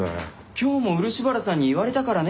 今日も漆原さんに言われたからね。